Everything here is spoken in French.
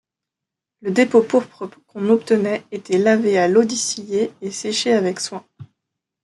Le dépôt pourpre qu'on obtenait était lavé à l'eau distillée et séché avec soin.